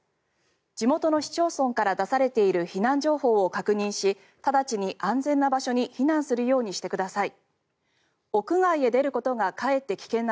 地元の市町村から出されている避難情報を確認し直ちに安全な場所に避難するようにしてください。